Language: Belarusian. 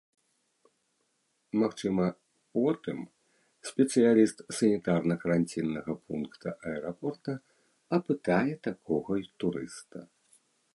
Магчыма, потым спецыяліст санітарна-каранціннага пункта аэрапорта апытае такога турыста.